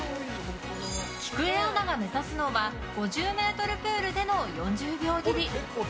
きくえアナが目指すのは５０ｍプールでの４０秒切り。